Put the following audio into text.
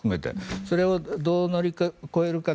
それをどう乗り越えるかと。